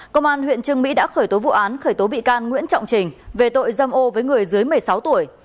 công an huyện trương mỹ đã khởi tố vụ án khởi tố bị can nguyễn trọng trình về tội dâm ô với người dưới một mươi sáu tuổi